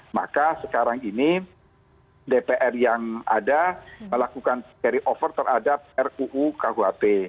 maka sekarang ini dpr yang ada melakukan carry over terhadap ruu kuhp